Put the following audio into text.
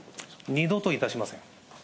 二度といたしません。